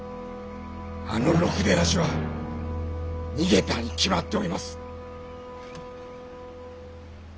あのろくでなしは逃げたに決まっております！